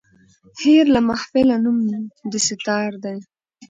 هېر له محفله نوم د سیتار دی